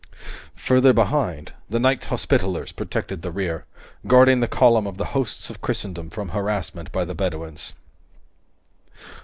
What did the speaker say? Further behind, the Knights Hospitallers protected the rear, guarding the column of the hosts of Christendom from harassment by the Bedouins.